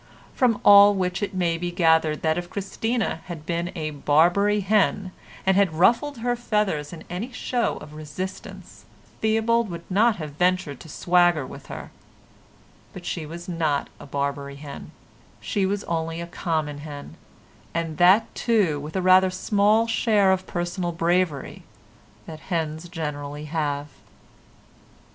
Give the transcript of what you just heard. From all which it may be gathered that if Christina had been a Barbary hen, and had ruffled her feathers in any show of resistance Theobald would not have ventured to swagger with her, but she was not a Barbary hen, she was only a common hen, and that too with rather a smaller share of personal bravery than hens generally have.